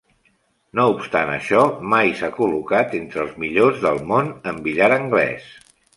No obstant això, mai s'ha col·locat entre els millors del món en billar anglès.